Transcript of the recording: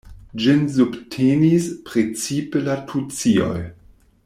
Ĝin subtenis precipe la tucioj.